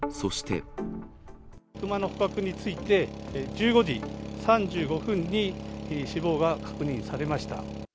クマの捕獲について、１５時３５分に、死亡が確認されました。